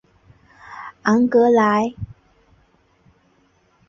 昂格莱。